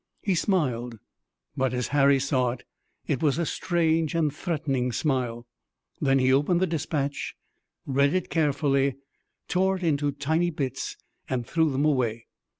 He smiled, but, as Harry saw it, it was a strange and threatening smile. Then he opened the dispatch, read it carefully, tore it into tiny bits and threw them away.